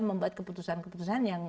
membuat keputusan keputusan yang